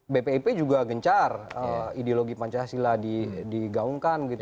bpip juga gencar ideologi pancasila digaungkan gitu